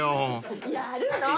やるの！